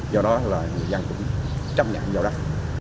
do đó là người dân cũng chấp nhận giao đất